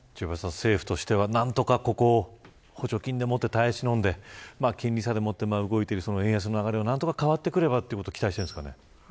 政府としては何とか補助金で耐え忍んで金利差でもって動いている円安の流れが変わってくればということを期待しているんですかね。